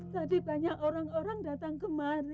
tadi banyak orang orang datang kemari